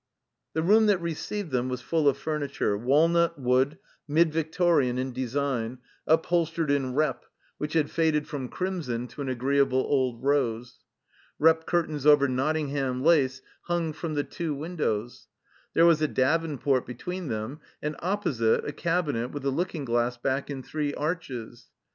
The room that received them was full of f umitture, walnut wood, mid Victorian in design, upholstered in rep, which had faded from crimson to an agreeable old rose. Rep curtains over Nottingham lace hung from the two windows. There was a davenport be tween them, and, opposite, a cabinet with a looking glass back in three arches.